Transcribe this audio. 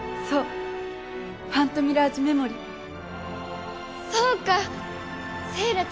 そうファントミラージュメモリー。